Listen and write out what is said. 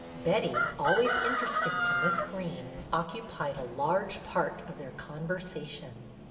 Betty, always interesting to Miss Greene, occupied a large part of their conversation.